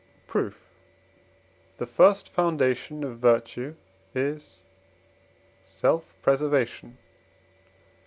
Proof. The first foundation of virtue is self preservation (IV.